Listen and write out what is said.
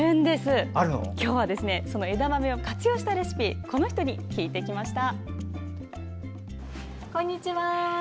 今日は枝豆を活用したレシピ、この人に聞いてきました。